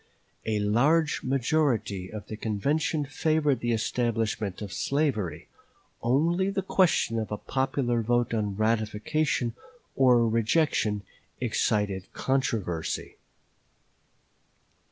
A large majority of the convention favored the establishment of slavery; only the question of a popular vote on ratification or rejection excited controversy.